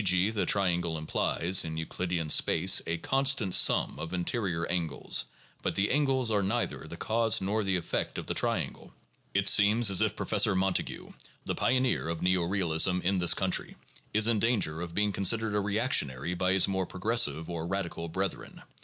g., the triangle implies [in Euclidean space] a constant sum of interior angles; but the angles are neither the cause nor the effect of the triangle (p. 485). It seems as if Professor Montague, the pioneer of neo realism in this country, is in danger of being considered a reac tionary by his more progressive or radical brethren.